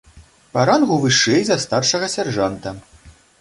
Па рангу вышэй за старшага сяржанта.